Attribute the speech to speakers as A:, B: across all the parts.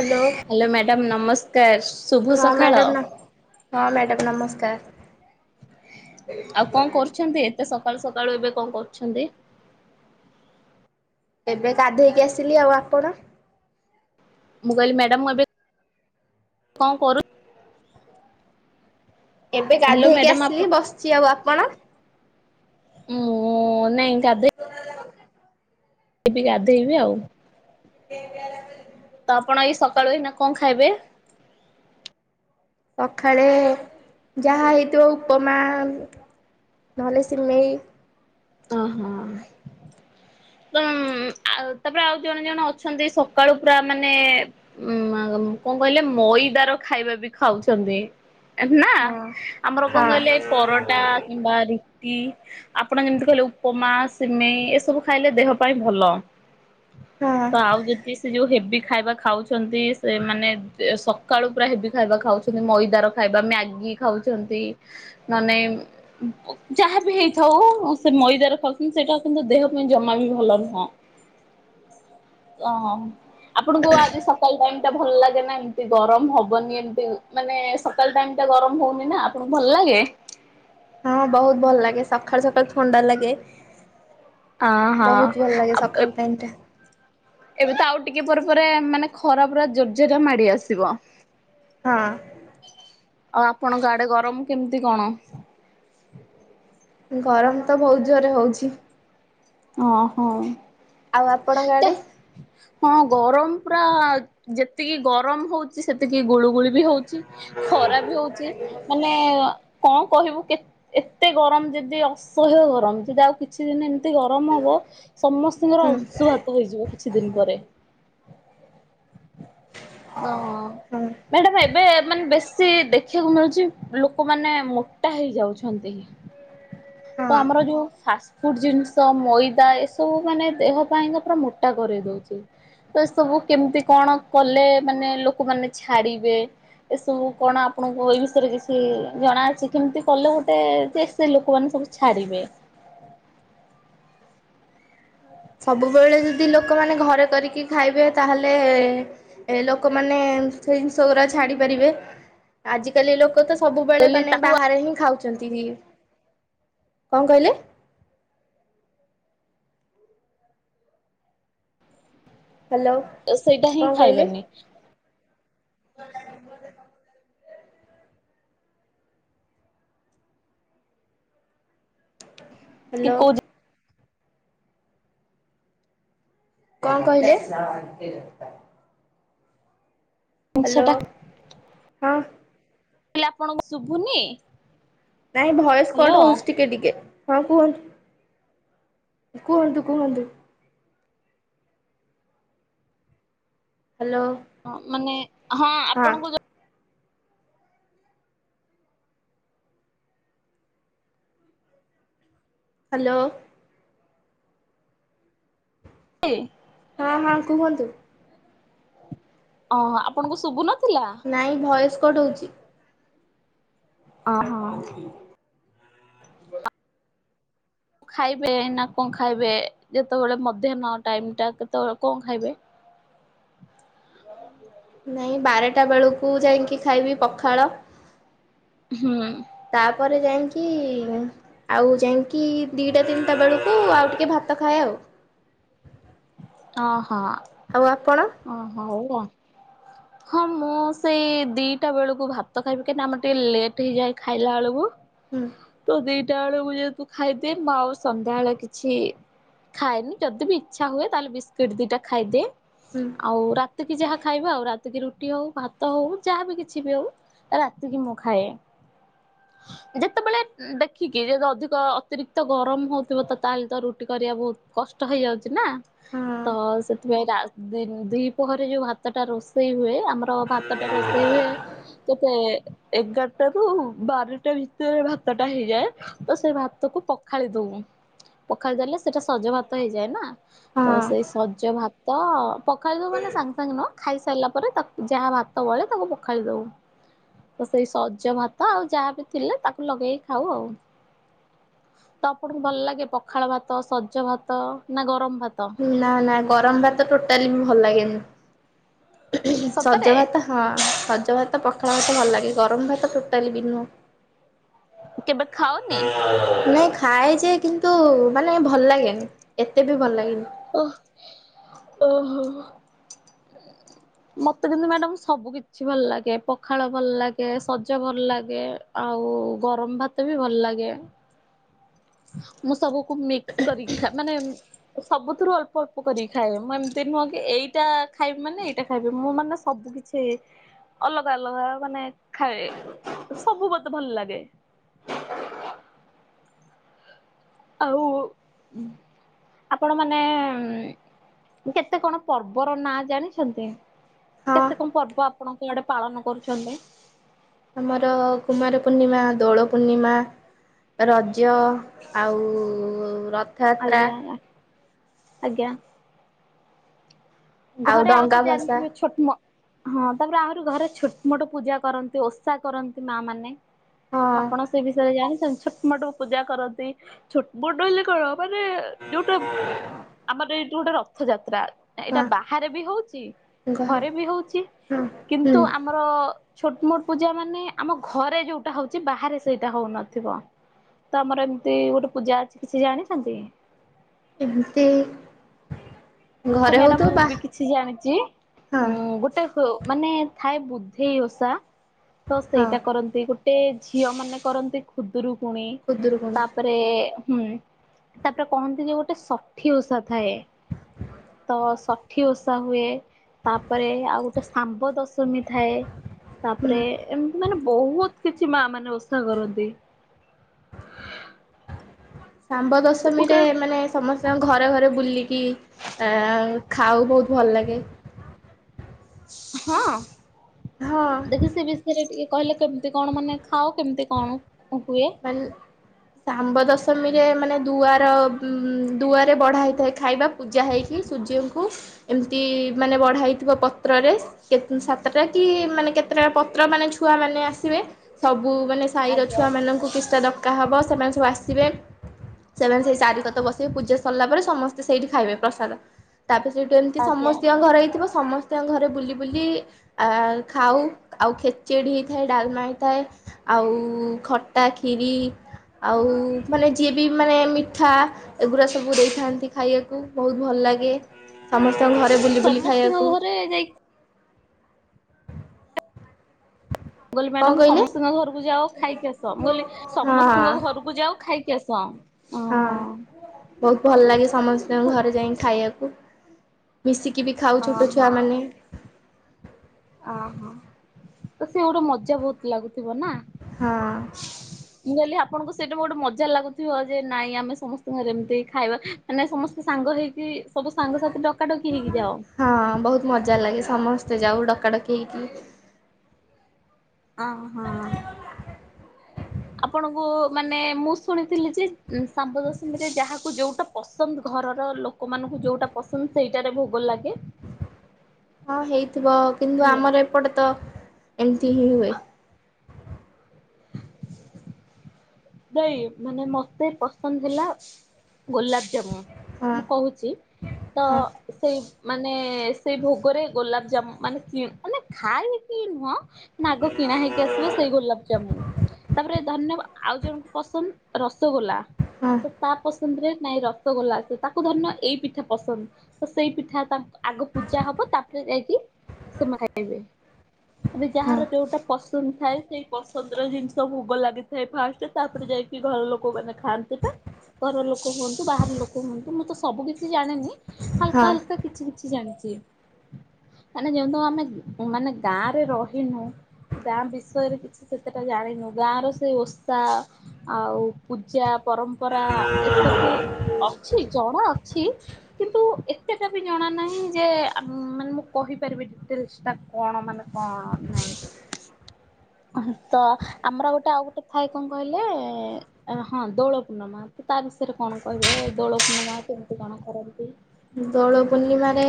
A: Hello.
B: Hello madam ନମସ୍କାର। ଶୁଭ
A: ହଁ
B: ସକାଳ।
A: ମ୍ୟାଡ଼ାମ୍ ନ ହଁ ମ୍ୟାଡ଼ାମ ନମସ୍କାର।
B: ଆଉ କଣ କରୁଛନ୍ତି ଏତେ ସକାଳୁ ସକାଳୁ ଏବେ କଣ କରୁଛନ୍ତି?
A: ଏବେ ଗାଧୋଇକି ଆସିଲି ଆଉ ଆପଣ?
B: ମୁଁ କହିଲି ମ୍ୟାଡ଼ାମ ମୁଁ ଏବେ କଣ କରୁ
A: ଏବେ
B: ହ୍ୟାଲୋ
A: ଗାଧୋଇକି
B: ମ୍ୟାଡାମ ଆପଣ
A: ଆସିଲି ବସିଛି ଆଉ ଆପଣ?
B: ମୁଁ ନାଇଁ ଗାଧେ
A: [unintelligible]
B: ଏବେ ଗାଧୋଇବି ଆଉ।
A: ସେ
B: ତ ଆପଣ ଏଇ ସକାଳୁ ଏଇ ନା କଣ ଖାଇବେ?
A: ସକାଳେ ଯାହା ହେଇଥିବ ଉପମା ନହେଲେ ସିମେଇ
B: ଅ ହଁ! ତ ଆଉ ତାପରେ ଆଉ ଜଣେ ଜଣେ ଅଛନ୍ତି ସକାଳୁ ପୁରା ମାନେ ଉଁ କଣ କହିଲେ ମଇଦାର ଖାଇବା ବି ଖାଉଛନ୍ତି। ଏ ନା
A: ହଁ
B: ଆମର କଣ କହିଲେ?
A: ହଁ
B: ପରଟା କିମ୍ବା ରିଟି ଆପଣ ଯେମିତି କହିଲେ ଉପମା ସିମେଇ ଏସବୁ ଖାଇଲେ ଦେହ ପାଇଁ ଭଲ
A: ହଁ।
B: ତ ଆଉ ଯଦି ସେ ଯୋଉ ହେଭି ଖାଇବା ଖାଉଛନ୍ତି ସେ ମାନେ ସକାଳୁ ପୁରା ହେଭି ଖାଇବା ଖାଉଛନ୍ତି। ମଇଦାର ଖାଇବା ମ୍ୟାଗି ଖାଉଛନ୍ତି। ନ ନାଇଁ ଉ ଯାହାବି ହେଇଥାଉ ସେ ମଇଦାର ଖାଉଛନ୍ତି ସେଇଟା କିନ୍ତ ଦେହ ପାଇଁ ଜମା ବି ଭଲ ନୁହଁ। ଓହୋ! ଆପଣଙ୍କୁ ଆଜି ସକାଳ ଟାଇମ ଟା ଭଲ ଲାଗେ ନା ଏମିତି ଗରମ ହବନି ଏମତି ମାନେ ସକାଳ ଟାଇମ ଟା ଗରମ ହଉନି ନା ଆପଣଙ୍କୁ ଭଲ ଲାଗେ?
A: ହଁ ବହୁତ ଭଲ ଲାଗେ ସକାଳୁ ସକାଳୁ ଥଣ୍ଡା ଲାଗେ।
B: ହଁ ହଁ
A: ବହୁତ ଭଲ ଲାଗେ
B: ଆଉ
A: ସକାଳ ଟାଇମ ଟା।
B: ଏବେ ତ ଆଉ ଟିକେ ପରେ ପରେ ମାନେ ଖରାପୁର ଜର୍ଜର ମାଡି ଆସିବ।
A: ହଁ।
B: ଆଉ ଆପଣଙ୍କ ଆଡେ ଗରମ କେମିତି କଣ?
A: ଗରମ ତ ବହୁତ ଜୋରରେ ହଉଛି।
B: ଓ ହଉ।
A: ଆଉ ଆପଣଙ୍କ ଆଡେ?
B: ହଁ ଗରମ ପୁରା ଯେତିକି ଗରମ ହଉଛି ସେତିକି ଗୁଳୁ ଗୁଳି ବି ହଉଛି ଖରା ବି ହଉଛି ମାନେ କ କହିବୁ କେ ଏତେ ଗରମ ଯଦି ଅସହ୍ୟ ଗରମ ଯଦି ଆଉ କିଛି ଦିନ ଏମିତି ଗର ଗରମ ହବ ସମସ୍ତଙ୍କର
A: ହୁଁ
B: ଅସୁଘାତ ଘାତ୍ ହେଇଯିବ କିଛି ଦିନ ପରେ। [unintelligible]
A: ହଁ
B: ମ୍ୟାଡ଼ାାମ ଏବେ ମାନେ ବେଶୀ ଦେଖିବାକୁ ମିଳୁଛି ଲୋକମାନେ ମୋଟା ହେଇଯାଉଛନ୍ତି। ତ
A: ହଁ।
B: ଆମର ଯୋଉ ଫାଷ୍ଟଫୁଡ ଜିନିଷ ମଇଦା ଏସ ସବୁ ମାନେ ଦେହପାଇଁ କା ପୁରା ମୋଟା କରେଇ ଦେଉଛି। ତ ଏ ସବୁ କେମିତି କଣ କଲେ ମାନେ ଲୋକମାନେ ଛାଡିବେ? ଏସବୁ କଣ ଆପଣଙ୍କୁ ଏଇ ବିଷୟରେ କିଛି ଜଣା ଅଛି କେମିତି କଲେ ଗୋଟେ ଯେ ସ୍ ସେ ଲୋକମାନେ ସବୁ ଛାଡ଼ିବେ।
A: ସବୁବେଳେ ଯଦି ଲୋକମାନେ ଘରେ କରିକି ଖାଇବେ ତାହେଲେ ଏ ଲୋକମାନେ ସେଇ ଜିନିଷ ଗୁଡାକ ଛାଡି ପାରିବେ ଆଜିକାଲି ଲୋ ଲୋକ ତ ସବୁବେଳେ
B: ବୋଲି
A: ମାନେ
B: ତାକୁ
A: ବାହାରେ ହିଁ ଖାଉଛନ୍ତି କଣ କହିଲେ? ହ୍ୟାଲୋ।
B: ତ ସେଇଟା ହିଁ ଖାଇବନି।
A: ହ। [unintelligible]
B: କି
A: ହ୍ୟାଲୋ।
B: କୋଉ
A: କ କହିଲେ? ହ୍ୟାଲୋ
B: ସେଇଟା
A: ହଁ
B: କହିଲି ଆପଣଙ୍କୁ ଶୁଭୁନି?
A: ନାଇଁ ଭୟସ କଟ
B: ହ୍ୟାଲୋ
A: ହଉଛି ଟିକେ ଟିକେ ହଁ କୁହନ୍ତୁ? କୁହନ୍ତୁ କୁହନ୍ତୁ? ହ୍ୟାଲୋ।
B: ହଁ ମାନେ ହଁ ଆପଣଙ୍କୁ
A: ହ୍ୟାଲୋ।
B: [unintelligible]
A: ହଁ ହଁ କୁହନ୍ତୁ?
B: ଅ ଆପଣଙ୍କୁ ଶୁଭୁନଥିଲା?
A: ନାଇଁ ଭଏସ୍ କଟ ହଉଛି।
B: ଅ ହଁ। ଖାଇବେ ନା କଣ ଖାଇବେ ଯେତେବେଳେ ମଧ୍ୟାହ୍ନ ଟାଇମ ଟା ସେତେବେଳେ କଣ ଖାଇବେ?
A: ନାଇଁ ବାରଟା ବେଳକୁ ଯାଇକି ଖାଇବି ପଖାଳ।
B: ହୁଁ।
A: ତାପରେ ଯାଇକି ଆଉ ଯାଇକି ଦିଟା ତିନିଟା ବେଳକୁ ଆଉ ଟିକେ ଭାତ ଖାଏ ଆଉ।
B: ଓ ହୋ।
A: ଆଉ ଆପଣ?
B: ଓ ହଉ, ହଉ। ହଁ ମୁଁ ସେଇ ଦିଟା ବେଳକୁ ଭାତ ଖାଇବି, କାହିଁକି ନା ଆମର ଟିକେ ଲେଟ୍ ହେଇଯାଏ ଖାଇଲା ବେଳକୁ।
A: ହୁଁ।
B: ତ ଦିଟା ବେଳକୁ ଜେହେତୁ ଖାଇଦିଏ। ଆଉ ସନ୍ଧ୍ୟା ବେଳେ କିଛି ଖାଏନି ଯଦି ବି ଇଚ୍ଛା ହୁଏ ତାହେଲେ ବିସ୍କୁଟ ଦିଟା ଖାଇଦିଏ।
A: ହୁଁ।
B: ଆଉ ରାତିକି ଯାହା ଖାଇବା ଆଉ, ରାତିକି ରୁଟି ହଉ, ଭାତ ହଉ ଯାହାବି କିଛି ବି ହଉ ହେଲା ରାତି କି ମୁଁ ଖାଏ। ଯେତେବେଳେ ଦେଖିକି ଯଦି ଅଧିକ ଅତିରିକ୍ତ ଗରମ ହଉଥିବ ତ ତାହେଲେ ତ ରୁଟି କରିବା ବହୁତ କଷ୍ଟ ହେଇଯାଉଛି। ନାଁ,
A: ହଁ
B: ତ ସେଥିପାଇଁ ରା ଦି ପହରେ ଯୋଉ ଭାତ ଟା ରୋଷେଇ ହୁଏ ଆମର ଭାତ ଟା ରୋଷେଇ ହୁଏ। କେତେ ଏଗାରଟା ରୁ ବାରଟା ଭିତରେ ଭାତ ଟା ହେଇଯାଏ। ତ ସେ ଭାତକୁ ପଖାଳି ଦଉ। ପଖାଳି ଦେଲେ ସେଇଟା ସଜ ଭାତ ହେଇଯାଏ ନାଁ, ତ
A: ହଁ
B: ସେଇ ସଜ ଭାତ, ପଖାଳ ମାନେ ସାଙ୍ଗେ ସାଙ୍ଗେ ନହଁ ଖାଇସାରିଲା ପରେ ଯାହା, ଯାହା ଭାତ ବଳେ ତାକୁ ପଖାଳି ଦଉ। ତ ସେଇ ସଜ ଭାତ ଆଉ ଯାହାବି ଥିଲେ, ତାକୁ ଲଗେଇ ଖାଉ ଆଉ। ତ ଆପଣଙ୍କୁ ଭଲ ଲାଗେ ପଖାଳ ଭାତ, ସଜ ଭାତ ନା ଗରମ ଭାତ?
A: ନାଁ, ନାଁ ଗରମ ଭାତ ଟୋଟାଲି ବି ଭଲ ଲାଗେନି। ହୁଁ
B: ସତରେ
A: ସଜ ଭାତ ହଁ ସଜ ଭାତ, ପଖାଳ ଭାତ ଭଲ ଲାଗେ ଗରମ ଭାତ ଟୋଟାଲି ବି ନୁହଁ।
B: କେବେ ଖାଅନି?
A: ନାଇଁ ଖାଏ ଯେ, କିନ୍ତୁ ମାନେ ଭଲ ଲାଗେନି। ଏତେ ବି ଭଲ ଲାଗେନି।
B: ଓହ୍, ଓହୋ। ମତେ କିନ୍ତୁ ମ୍ୟାଡ଼ାମ ସବୁ କିଛି ଭଲ ଲାଗେ। ପଖାଳ ଭଲ ଲାଗେ, ସଜ ଭଲ ଲାଗେ। ଆଉ ଗରମ୍ ଭାତ ବି ଭଲ ଲାଗେ। ମୁଁ ସବୁକୁ ମିକ୍ସ କରି ଖା ମାନେ ମୁଁ ସବୁଥୁରୁ ଅଳ୍ପ ଅଳ୍ପ କରିକି ଖାଏ। ମୁଁ ଏମିତି ନୁହଁ କି ଏଇଟା ଖାଇବି ମାନେ ଏଇଟା ଖାଇବି ମୁଁ ମାନେ ସବୁ କିଛି ତେ ଅଲଗା ଅଲଗା ମାନେ ଖାଏ। ସବୁ ମତେ ଭଲ୍ ଲାଗେ। ଆଉ ଆପଣ ମାନେ ମୁଁ କେତେ କଣ ପର୍ବ ର ନାଁ ଜାଣିଛନ୍ତି?
A: ହଁ
B: କେତେ କଣ ପର୍ବ ଆପଣଙ୍କ ଆଡ଼େ ପାଳନ କରୁଛନ୍ତି?
A: ଆମର କୁମାରପୂର୍ଣ୍ଣିମା, ଦୋଳ ପୂର୍ଣ୍ଣିମା, ରଜ, ଆଉ ରଥ
B: ଆଜ୍ଞା, [unintelligible] ଆଜ୍ଞା। ଘରେ ଆଉ
A: ଡଙ୍ଗା
B: ତ
A: ଭସା
B: ଜାଣିଥିବେ ଛୋଟ୍ ମଁ ହଁ ତାପରେ ଆହୁରି ଘରେ ଛୋଟ ମୋଟ ପୂଜା କରନ୍ତି ଓଷା କରନ୍ତି ମାଁ ମାନେ।
A: ହଁ।
B: ଆପଣ ସେ ବିଷୟରେ ଜାଣିଛନ୍ତି। ଛୋଟ ମୋଟ ପୂଜା କରନ୍ତି, ଛୋଟ ମୋଟ ହେଲେ କଣ ମାନେ ଯୋଉଟା ଆମର ଏଇ ଯୋଉଟା ଟା ରଥ ଯାତ୍ରା ଏଇଟା
A: ହଁ
B: ବା ହାରେ ବି ହଉଛି।
A: ଘ
B: ଘରେ ବି ହଉଛି।
A: ହଁ ହୁଁ
B: କିନ୍ତୁ ଆମ ଆମର ଛୋଟ୍ ମୋଟ୍ ପୂଜା ମାନେ ଆମ ଘରେ ଯୋଉଟା ହଉଛି ବାହାରେ ସେଇଟା ହଉନଥିବ। ତମର ଏମିତି ଗୋଟେ ପୂଜା ଅଛି କିଛି ଜାଣିଛନ୍ତି?
A: ଏମିତି
B: ତ
A: ଘରେ
B: ମ୍ୟାଡ଼ାମ
A: ହଉଥିବ
B: ମୁଁ
A: ବା
B: ବି କିଛି ଜାଣିଚି।
A: ହଁ
B: ଉଁ ଗୋଟାଏ ହୋ ମାନେ ଥାଏ ବୁଦ୍ଧେଇ ଓଷା ତ
A: ହଁ
B: ସେଇଟା କରନ୍ତି ଗୋଟେ ଝିଅ ମାନେ କରନ୍ତି। ଖୁଦୁରୁକୁଣୀ ତାପ।
A: ଖୁଦୁରୁକୁଣୀ
B: ତାପରେ ହୁଁ ତାପରେ କହନ୍ତି ଯେ ଗୋଟେ ଷଠି ଓଷା ଥାଏ। ତ ଷଠି ଓଷା ହୁଏ ତାପରେ ଆଉ ଗୋଟେ ଶାମ୍ବ ଦଶମୀ ଥାଏ।
A: ହୁଁ
B: ତାପରେ ଏମିତି ମାନେ ବହୁତ କିଛି ମା ମାନେ ଓଷା କରନ୍ତି।
A: ଶାମ୍ବ ଦଶମୀରେ
B: ଗୋଟେ
A: ମାନେ। ସମସ୍ତଙ୍କ ଘରେ ଘରେ ବୁଲିକି ଆ ଖାଉ ବହୁତ ଭଲ ଲାଗେ।
B: ହଁ
A: ହଁ
B: ବେସି ସେ ବି। ଏଥିରେ ଟିକେ କହିଲେ କେମିତି କ'ଣ ମାନେ ଖାଅ କେମିତି କ'ଣ ହୁଏ।
A: ମାନେ। ଶାମ୍ବ ଦଶମୀରେ ମାନେ ଦୁଆର ଦୁଆରେ ବଢ଼ା ହେଇଥାଏ ଖାଇବା। ପୂଜା ହେଇକି ସୂର୍ଯ୍ୟଙ୍କୁ ଏମିତି ମାନେ ବଢ଼ା ହେଇଥିବ ପତ୍ରରେ। କେତନ୍ ସାତଟା କି ମାନେ କେତେଟା ପତ୍ର ମାନେ ଛୁଆ ମାନେ ଆସିବେ ସବୁ ମାନେ ସାହିର
B: ଆଜ୍ଞା ଆଜ୍ଞା
A: ଛୁଆମାନଙ୍କୁ କିଛିଟା ଡକା ହବ ସେମାନେ ସବୁ ଆସିବେ। ସେମାନେ ସେଇ ସାରି କଥ ବସିବେ ପୂଜା ସରିଲା ପରେ ସମସ୍ତେ ସେଇଠି ଖାଇବେ ପ୍ରସାଦ। ତାପେ ସେ ଏଠୁ ଏମିତି
B: ଆଜ୍ଞା
A: ସମସ୍ତିଙ୍କ
B: ଆଜ୍ଞା।
A: ଘରେ ହେଇ ଥିବ ସମସ୍ତ। ସମସ୍ତିଙ୍କ ଘରେ ବୁଲି ବୁଲି ଆ ଖାଉ ଆଉ ଖେଚେଡ଼ି ହେଇଥାଏ ଡ଼ାଲମା ହେଇଥାଏ। ଆଉ ଖଟା ଖିରି ଆଉ ମାନେ ଯିଏ ବି ମାନେ ମିଠା। ଏଗୁରା ସବୁ ଦେଇଥାନ୍ତି ଖାଇବା କୁ ବହୁତ ଭଲ ଲାଗେ। ସମସ୍ତିଙ୍କ ଘରେ ବୁଲି ବୁଲି
B: ସମସ୍ତଙ୍କ
A: ଖାଇବାକୁ।
B: ଘରେ ଯାଇ ମୁଁ ମୁଁ ଗଲି
A: କଣ
B: ମ୍ୟାଡ଼ମ୍
A: କହିଲେ
B: ସମସ୍ତିଙ୍କ ଘରକୁ ଯାଅ ଖାଇକି ଆସ ମୁଁ ଗଲି।
A: ହଁ
B: ସମସ୍ତୁଙ୍କ ଘରକୁ ଯାଅ ଖାଇକି ଆସ।
A: ହଁ
B: ଓହୋ
A: ବହୁତ ଭଲ ଲାଗେ ସମସ୍ତିଙ୍କ ଘରେ ଯାଇ ଖାଇବା କୁ। ମିଶିକି ବି ଖାଉ ଛୋଟ
B: ଓହୋ
A: ଛୁଆମାନେ।
B: ଅହ ତ ସେ ଗୋଟେ ମଜା ବହୁତ ଲାଗୁଥିବ ନା।
A: ହଁ।
B: ମୁଁ କହିଲି ଆପଣଙ୍କୁ ସେଇଟା ଗୋଟେ ମଜା ଲାଗୁଥିବ ଯେ ନାଇଁ ଆମେ ସମସ୍ତିଙ୍କ ଘରେ ଏମିତି ଖାଇବା। ମାନେ ସମସ୍ତେ ସାଙ୍ଗ ହେଇକି ସବୁ ସାଙ୍ଗସାଥି ଡକା ଡକି ହେଇକି ଯାଅ।
A: ହଁ ବହୁତ ମଜା ଲାଗେ ସମସ୍ତେ ଯାଉ ଡକାଡକିହେଇକି।
B: ଅ ହଁ। ଆପଣଙ୍କୁ ମାନେ ମୁଁ ଶୁଣିଥିଲି ଯେ ଶାମ୍ବ ଦଶମୀରେ ଯାହାକୁ ଯୋଉଟା ପସନ୍ଦ ଘରର ଲୋକ। ଲୋକମାନଙ୍କୁ ଯୋଉଟା ପସନ୍ଦ ସେଇଟାରେ ଭୋଗ ଲାଗେ।
A: ହଁ ହେଇଥିବ କିନ୍ତୁ
B: ହେଲା।
A: ଆମର ଏପଟେ ତ ଏମିତି ହିଁ ହୁଏ।
B: ନାଇ ମାନେ ମତେ ପସନ୍ଦ ହେଲା ଗୋଲାପଜାମୁ।
A: ହଁ
B: ମୁଁ କହୁଛି ତ
A: ହଁ
B: ସେଇ। ମାନେ ସେଇ ଭୋଗରେ ଗୋଲାପଜାମୁ ମାନେ କି ମାନେ ଖାଇ କି ନୁହଁ। ନାଗ କିଣା ହେଇକି ଆସିବ ସେଇ ଗୋଲାପଜାମୁ ତାପରେ ଧନ୍ୟବାଦ ଆଉ ଜଣକୁ। ପସନ୍ଦ ରସଗୋଲା
A: ହଁ
B: ତ ତା ପସନ୍ଦ ରେ ନାଇଁ ର। ତ ଗୋଲା ସେ ତାକୁ ଧରିନିଅ ଏଇ ପିଠା ପସନ୍ଦ। ତ ସେଇ ପିଠା ତା ଆଗ ପୂଜା ହବ ତାପରେ ଯାଇକି ସେମା ଖାଇବେ। ଏବେ
A: ହଁ
B: ଯାହାର ଯୋଉଟା ପସନ୍ଦ ଥାଏ ସେଇ ପସନ୍ଦର ଜିନିଷ ଭୋଗ ଲାଗିଥାଏ ଫାଷ୍ଟେ। ତାପରେ ଯାଇକି ଘର ଲୋକମାନେ ଖାଆନ୍ତି ପା। ଘର ଲୋକ ହୁଅନ୍ତୁ ବାହାର ଲୋକ ହୁଅନ୍ତୁ ମୁଁ ତ ସବୁ କିିଛି ଜାଣିନି। ହାଲକା,
A: ହଁ।
B: ହାଲକା କିଛି, କିଛି ଜାଣିଛି। ମାନେ ଯେହେତୁ ଆମେ ମାନେ ଗାଁ ରେ ରହିନୁ। ଗାଁ ବିଷୟରେ କିଛି ସେତେଟା ଜାଣିନୁ ଗାଁର ସେ ଓଷା ଆଉ ପୂଜା ପରମ୍ପରା ଏସବୁ ଅଛି ଜଣା ଅ ଛି କିନ୍ତୁ ଏତେଟା ବି ଜଣା ନାହିଁ ଯେ ଆମ୍ ମାନେ ମୁଁ କହିପାରିବି ଡି ଟିଲ୍ସଟା କଣ ମାନେ କଣ ନାହିଁ। ଉଁ ହୁଁ ତ ଆମର ଗୋଟେ ଆଉ ଗୋଟେ ଥାଏ କଁ କହିଲେ ଆରେ ହଁ ଦୋଳ ପୂର୍ଣ୍ଣମା ତ ତା ବିଷୟରେ କଣ କହିବେ ଦୋଳ ପୂର୍ଣ୍ଣମା କେମିତି କଣ କରନ୍ତି।
A: ଦୋଳ ପୂର୍ଣ୍ଣିମାରେ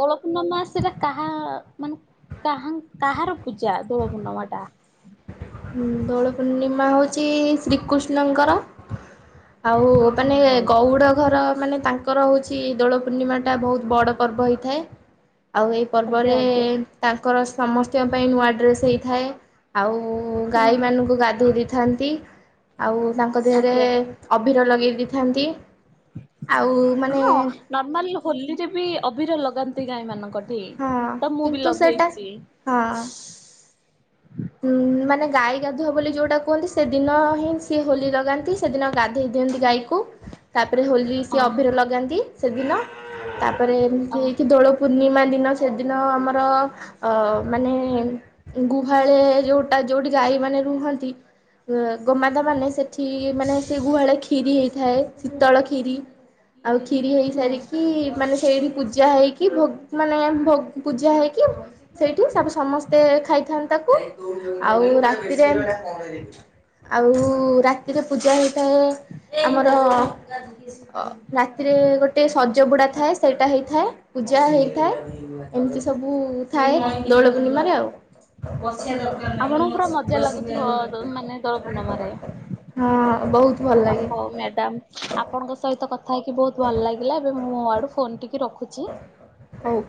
B: ଦୋଳ ପୂର୍ଣ୍ଣମା ସେଇଟା କାହା ମାନେ କାହାଙ୍କ କାହାର ପୂଜା ଦୋଳ ପୂର୍ଣ୍ଣମାଟା?
A: ଉଁ ଦୋଳ ପୂର୍ଣ୍ଣିମା ହଉଚି ଶ୍ରୀକୃଷ୍ଣଙ୍କର ଆଉ ମାନେ
B: ଓହୋ
A: ଗଉଡ ଘର ମାନେ ତାଙ୍କ୍ କର ହଉଛି ଦୋଳ ପୂର୍ଣ୍ଣିମାଟା ଭୋଉତ ବଡ ପର୍ବ ହେଇଥାଏ ଆଉ ଏହି
B: ଆଜ୍ଞା
A: ପର୍ବରେ
B: ଆଜ୍ଞା
A: ତାଙ୍କର ସମସ୍ତିଙ୍କ ପାଇଁ ନୂଆ ଡ୍ରେସ୍ ହେଇଥାଏ ଆଉ ଗାଈମାନୁଙ୍କୁ ଗାଧେଇ ଦେଇ ଥାନ୍ତି। ଆଉ ତାଙ୍କ ଦେହେରେ
B: ଆଜ୍ଞା
A: ଅଭିର ଲଗେଇ ଦେଇଥାନ୍ତି ଆଉ ମାନେ
B: ନର୍ମାଲି ହୋଲିରେ ବି ଅଭିର ଲଗାନ୍ତି ଗାଈମାନଙ୍କ ଠି
A: ହଁ
B: ତ ମୁଁ ବି
A: କିନ୍ତୁ ସେଇଟା
B: ଲଗେଇଚି।
A: ହଁ
B: ହଁ।
A: ମାନେ ଗାଈ ଗାଧୁଆ ବୋଲି ଯୋଉଟା କୁହନ୍ତି ସେଦିନ ହିଁ ସିଏ ହୋଲି ଲଗାନ୍ତି ସେଦିନ ଗାଧେଇ ଦିଅନ୍ତି ଗାଈକୁ। ତାପରେ ହୋଲି ସିଏ
B: ଓହୋ
A: ଅଭିର ଲଗାନ୍ତି ସେଦିନ ତାପରେ ଏମତି ହେଇକି
B: ଓହୋ
A: ଦୋଳ ପୂର୍ଣ୍ଣିମା ଦିନ ସେଦିନ ଆମର ଅ ମାନେ ଉଁ ଗୁ ହାଳେ ଯୋଉଟା ଯୋଉଠି ଗାଈମାନେ ରୁହନ୍ତି ଉଁ ଗୋମାତାମାନେ ସେ ଠି ମାନେ ସେଇ ଗୁହାଳେ କ୍ଷୀରି ହେଇଥାଏ ଶୀତଳ କ୍ଷୀରି। ଆଉ କ୍ଷୀରି ହେଇ
B: ହୁଁ
A: ସାରିକି ମାନେ ସେଇଠି ପୂଜା ହେଇକି ଭୋଗ୍ ମାନେ ଭୋଗ୍ ପୂଜା ହେଇକି ସେଇଠି ତାପରେ ସମସ୍ତେ ଖାଇଥାନ୍ତି ତାକୁ ଆଉ ରାତିରେ ଉଁ ଆଉ ରାତିରେ ପୂଜା ହେଇଥାଏ ଆମର ଅ ରାତିରେ ଗୋଟେ ସଜ ବୁଡା ଥାଏ ସେଇଟା ହେଇଥାଏ ପୂଜା ହେଇଥାଏ। ଏମତି ସବୁ ଥାଏ
B: ଓହୋ
A: ଦୋଳ ପୂର୍ଣ୍ଣିମାରେ ଆଉ।
B: ଆପଣଙ୍କୁ ପୁରା ମଜା ଲାଗୁଥୁବ ଦୋ ମାନେ ଦୋଳ ପୂର୍ଣ୍ଣମାରେ।
A: ହଁ ବହୁତ ଭଲ
B: ଓ
A: ଲାଗେ
B: ହଉ ମ୍ୟାଡାମ୍ ଆପଣଙ୍କ ସହିତ କଥା ହେଇକି ବୋହୁତ ଭଲ ଲାଗିଲା ଏବେ ମୁଁ ମୋ ଆଡୁ ଫୋନଟିକି ରଖୁଚି।
A: ହାଉ।